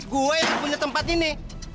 gue itu punya tempat ini